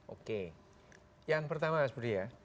oke yang pertama mas budi ya